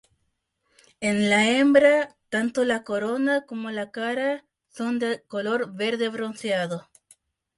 En la hembra tanto la corona como la cara son de color verde bronceado.